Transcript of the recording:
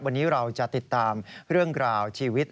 วันนี้เราจะติดตามเรื่องราวชีวิต